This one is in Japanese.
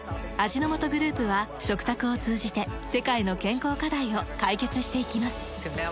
味の素グループは食卓を通じて世界の健康課題を解決していきます。